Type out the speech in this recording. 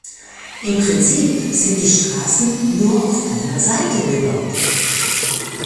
Im Prinzip sind die Straßen nur auf einer Seite bebaut.